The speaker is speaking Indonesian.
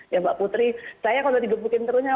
ya mbak putri saya kalau di gebukin terusnya